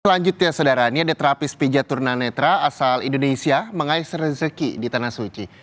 selanjutnya saudara ini ada terapis pijatunanetra asal indonesia mengais rezeki di tanah suci